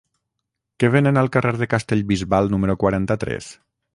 Què venen al carrer de Castellbisbal número quaranta-tres?